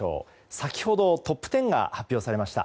先ほどトップ１０が発表されました。